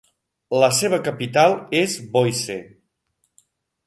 La seva capital és Boise.